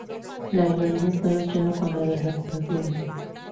La aerolínea está luchando contra las acusaciones.